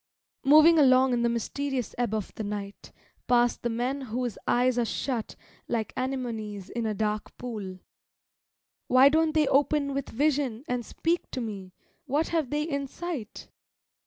Moving along in the mysterious ebb of the night Pass the men whose eyes are shut like anemones in a dark pool; Why don't they open with vision and speak to me, what have they in sight?